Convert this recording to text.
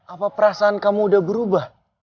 apa perasaan kamu udah berubah